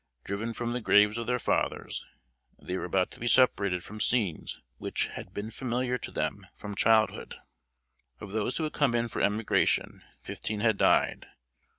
Driven from the graves of their fathers, they were about to be separated from scenes which had been familiar to them from childhood. Of those who had come in for emigration, fifteen had died.